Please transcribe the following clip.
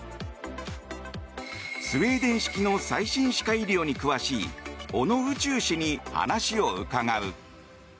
スウェーデン式の最新歯科医療に詳しい小野宇宙氏に話を伺う。